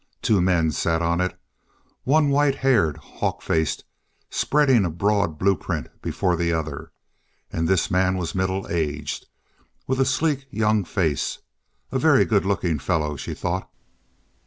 Two men sat on it, one white haired, hawk faced, spreading a broad blueprint before the other; and this man was middle aged, with a sleek, young face. A very good looking fellow, she thought.